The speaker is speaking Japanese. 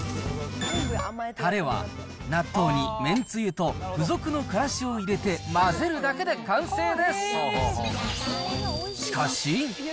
たれは、納豆にめんつゆと付属のからしを入れて混ぜるだけで完成です。